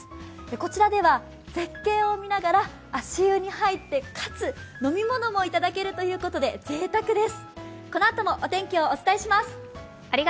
こちらでは絶景を見ながら足湯に入って、かつ飲み物も頂けるということでぜいたくです。